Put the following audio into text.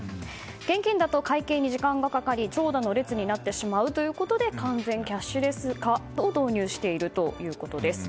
現金だと会計に時間がかかり長蛇の列になってしまうということで完全キャッシュレス化を導入しているということです